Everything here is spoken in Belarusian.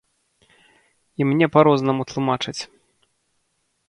І мне па-рознаму тлумачаць!